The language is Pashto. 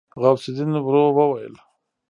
غوث الدين ورو وويل.